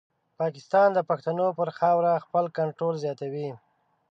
پاکستان د پښتنو پر خاوره خپل کنټرول زیاتوي.